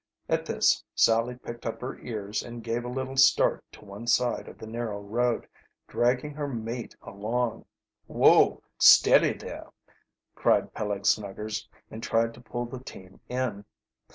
At this Sally picked up her ears and gave a little start to one side of the narrow road, dragging her mate along. "Whoa! Steady there!" cried Peleg Snuggers, and tried to pull the team in.